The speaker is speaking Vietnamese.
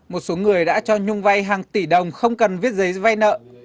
một số người đã cho nhung vai hàng tỷ đồng không cần viết giấy vai nợ